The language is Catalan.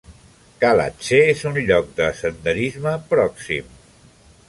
Khalatse és un lloc de senderisme pròxim.